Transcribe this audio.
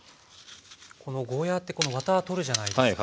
ゴーヤーってこのワタ取るじゃないですか。